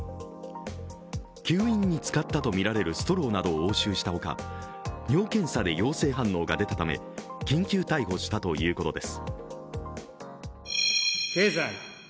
吸引に使ったとみられるストローなどを押収したほか尿検査で陽性反応が出たため緊急逮捕したということです。